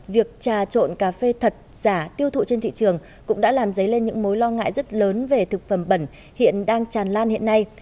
việc trà trộn cà phê thật giả tiêu thụ trên thị trường cũng đã làm dấy lên những mối lo ngại rất lớn về thực phẩm bẩn hiện đang tràn lan hiện nay